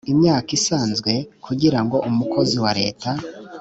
imyaka isanzwe kugira ngo umukozi wa leta